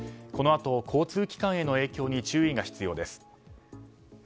このあと交通機関への影響に注意が必要です。